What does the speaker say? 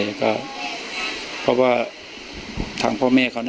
ถ้าใครอยากรู้ว่าลุงพลมีโปรแกรมทำอะไรที่ไหนยังไง